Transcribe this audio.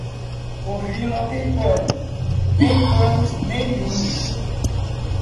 O vinho não tem pano, nem panos nem linho.